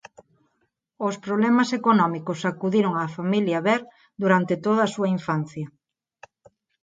Os problemas económicos sacudiron á familia Bird durante toda a súa infancia.